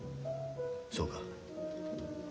そうか。